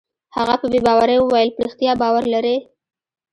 هغه په بې باورۍ وویل: په رښتیا باور لرې؟